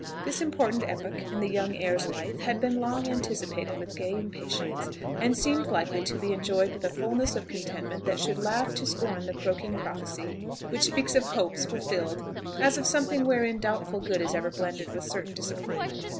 This important epoch in the young heir's life had been long anticipated with gay impatience, and seemed likely to be enjoyed with a fulness of contentment that should laugh to scorn the croaking prophecy which speaks of hopes fulfilled as of something wherein doubtful good is ever blended with certain disappointment.